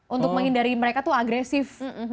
untuk menghindari mereka tuh agresif